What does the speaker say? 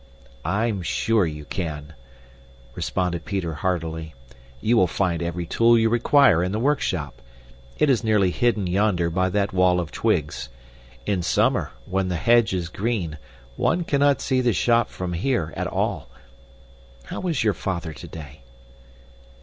"I am SURE you can," responded Peter heartily. "You will find every tool you require in the workshop. It is nearly hidden yonder by that wall of twigs. In summer, when the hedge is green, one cannot see the shop from here at all. How is your father today?"